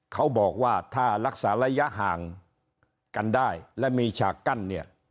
เขาบอกว่าถ้ารักษาระยะห่างกันได้และมีฉากกั้นเนี่ย